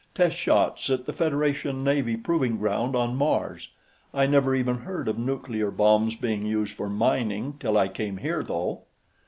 "Test shots at the Federation Navy proving ground on Mars. I never even heard of nuclear bombs being used for mining till I came here, though."